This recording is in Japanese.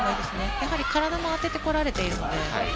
体も当ててこられているので。